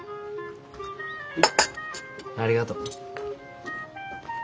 ありがとう。